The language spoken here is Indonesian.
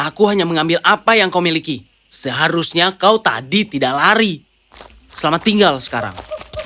aku hanya mengambil apa yang kau miliki seharusnya kau tadi tidak lari selamat tinggal sekarang